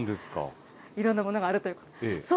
いろんなものがあるという。